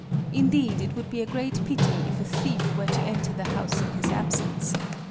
Indeed it would be a great pity if a thief were to enter the house in [his] absence.